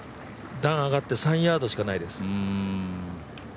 段上がって３ヤードしかないです。